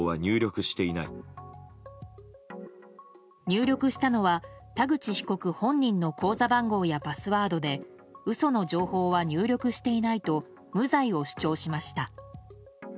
入力したのは田口被告本人の口座番号やパスワードで嘘の情報は入力していないと無罪を主張しました。